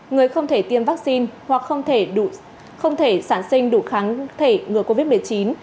người không thể tiêm vaccine hoặc không thể sản sinh đủ kháng thể ngừa covid một mươi chín